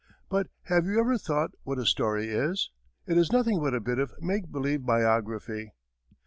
But have you ever thought what a story is? It is nothing but a bit of make believe biography.